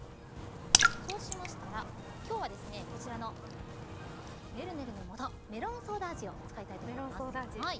そうしましたら今日はこちらのねるねるのもとメロンソーダ味を使いたいと思います。